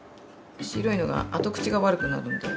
白いのが後口が悪くなるんで。